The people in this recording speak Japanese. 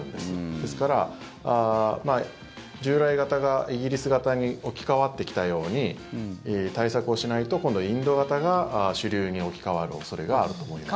ですから、従来型がイギリス型に置き換わってきたように対策をしないと今度、インド型が主流に置き換わる恐れがあると思います。